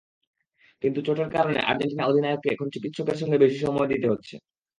কিন্তু চোটের কারণে আর্জেন্টিনা অধিনায়ককে এখন চিকিৎসকের সঙ্গে বেশি সময় দিতে হচ্ছে।